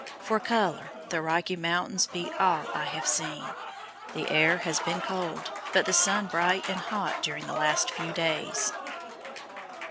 For color, the Rocky Mountains beat all I have seen. The air has been cold, but the sun bright and hot during the last few days.